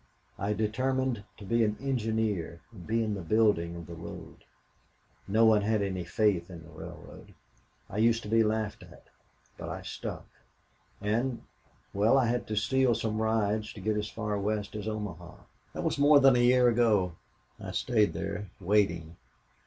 I determined to be an engineer and be in the building of the road. No one had any faith in the railroad. I used to be laughed at. But I stuck. And well, I had to steal some rides to get as far west as Omaha. "That was more than a year ago. I stayed there waiting.